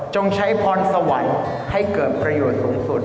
ใช้พรสวรรค์ให้เกิดประโยชน์สูงสุด